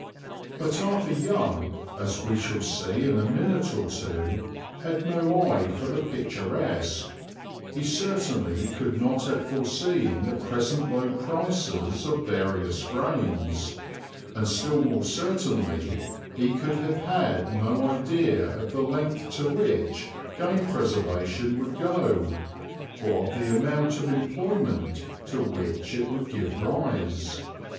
But Arthur Young, as we shall see in a minute or two, had no eye for the picturesque; he certainly could not have foreseen the present low prices of various grains; and still more certainly he could have had no idea of the length to which game preservation would go, or of the amount of employment to which it would give rise.